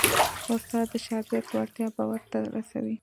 استاد د شاګرد وړتیا باور ته رسوي.